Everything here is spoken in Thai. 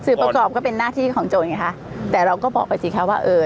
สื่อประกอบก็เป็นหน้าที่ของโจทย์อย่างงี้ค่ะแต่เราก็บอกไปจริงแค่ว่าเออ